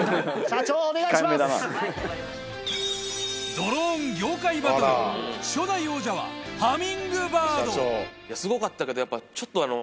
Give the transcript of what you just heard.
ドローン業界バトル初代王者はハミングバードすごかったけどやっぱちょっとあの。